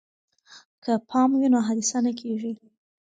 که پام وي نو حادثه نه کیږي.